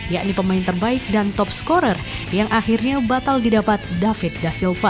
yakni pemain terbaik dan top scorer yang akhirnya batal didapat david da silva